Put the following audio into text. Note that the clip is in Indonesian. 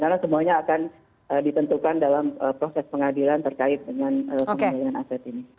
karena semuanya akan ditentukan dalam proses pengadilan terkait dengan pengadilan aset ini